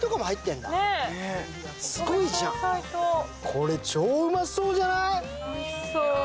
これ、超うまそうじゃない？